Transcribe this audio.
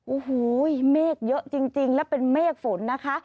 โอ้โหเมฆเยอะจริงและเป็นเมฆฝนนะคะ